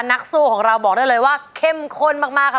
นักสู้ของเราบอกได้เลยว่าเข้มข้นมากค่ะ